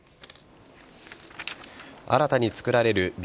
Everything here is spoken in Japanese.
新たに作られるＢＡ．